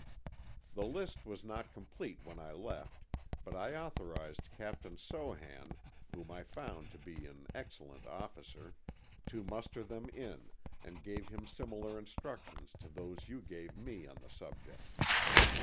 The list was not complete when I left, but I authorized Capt. Sohan, whom I found to be an excellent officer, to muster them in, and gave him similar instructions to those you gave me on the subject.